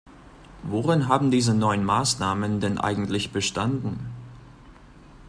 Worin haben diese neuen Maßnahmen denn eigentlich bestanden?